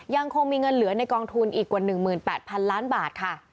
ยังคงมีเงินเหลือในกองทุนอีกกว่า๑๘๐๐๐ล้านบาทค่ะ